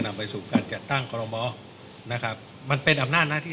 นำไปสู่การจัดตั้งกรมอนะครับมันเป็นอำนาจหน้าที่